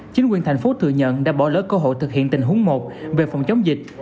chính quyền thành phố thừa nhận đã bỏ lỡ cơ hội thực hiện tình huống một về phòng chống dịch